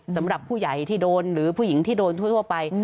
สำหรับผู้ใหญ่ที่โดนหรือผู้หญิงที่โดนทั่วไป